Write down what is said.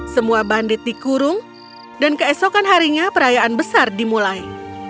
semua bandit dikurung dan keesokan harinya perayaan besar dimulai